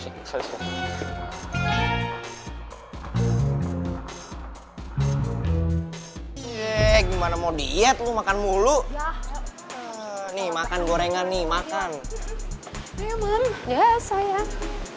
ini gimana mau diet lu makan mulu ya nih makan gorengan nih makan ya sayang